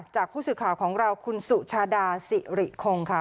จากผู้สื่อข่าวของเราคุณสุชาดาสิริคงค่ะ